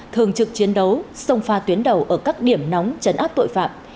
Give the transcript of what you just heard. thường trực chiến đấu sông pha tuyến đầu ở các điểm nóng chấn áp tội phạm